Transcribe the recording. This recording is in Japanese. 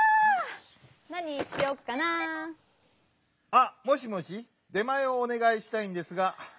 あもしもし出まえをおねがいしたいんですが。